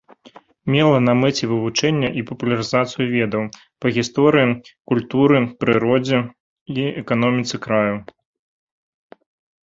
Мела на мэце вывучэнне і папулярызацыю ведаў па гісторыі, культуры, прыродзе і эканоміцы краю.